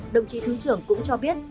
đồng chí thứ trưởng cũng cho biết